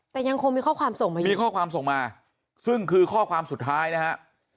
แต่ยังคงมีข้อความส่งมาอยู่มีข้อความส่งมาซึ่งคือข้อความสุดท้ายนะฮะ